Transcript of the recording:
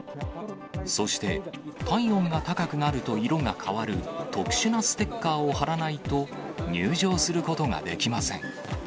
そして体温が高くなると色が変わる特殊なステッカーを貼らないと、入場することができません。